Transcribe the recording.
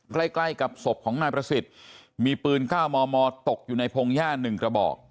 ใกล้ใกล้กับศพของนายประสิทธิ์มีปืน๙มมตกอยู่ในพงหญ้า๑กระบอก